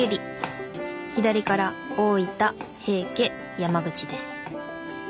左から大分平家山口です。